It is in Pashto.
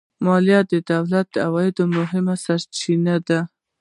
مالیه د دولت د عوایدو مهمه سرچینه ده